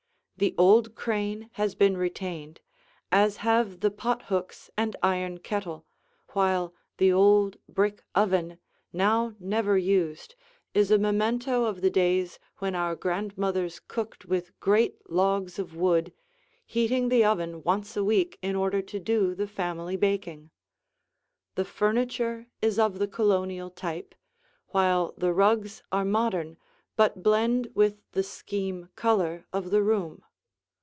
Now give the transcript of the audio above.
The old crane has been retained, as have the pothooks and iron kettle, while the old brick oven, now never used, is a memento of the days when our grandmothers cooked with great logs of wood, heating the oven once a week in order to do the family baking. The furniture is of the Colonial type, while the rugs are modern but blend with the scheme color of the room.